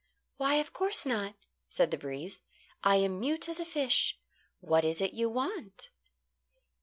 "Why, of course not," said the breeze. "I am mute as a fish. What is it you want?"